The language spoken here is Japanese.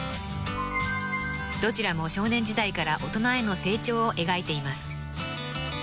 ［どちらも少年時代から大人への成長を描いています］